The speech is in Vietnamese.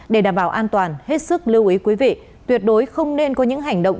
để đảm bảo an toàn hết sức lưu ý quý vị tuyệt đối không nên có những hành động